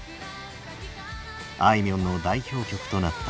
あいみょんの代表曲となった。